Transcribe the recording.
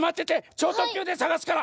ちょうとっきゅうでさがすから！